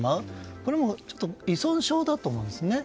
これは依存症だと思いますね。